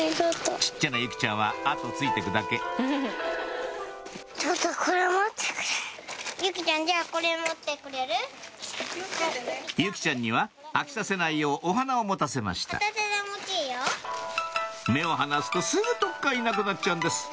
小っちゃな由季ちゃんは後をついてくだけ由季ちゃんには飽きさせないようお花を持たせました目を離すとすぐどっかいなくなっちゃうんです